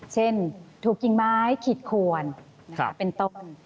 เช่นถูกกิ่งไม้ขีดขวนเป็นต้น